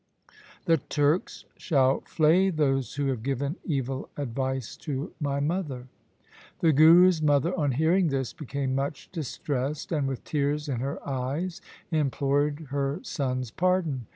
The Turks shall flay those who have given evil advice to my mother.' The Guru's mother on hearing this became much distressed, and with tears in her eyes implored her son's pardon.